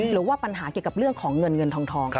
หรือว่าปัญหาเกี่ยวกับเรื่องของเงินเงินทอง